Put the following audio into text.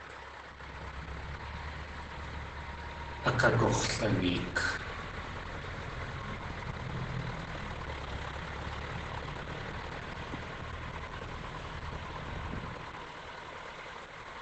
Akagux̲laneek.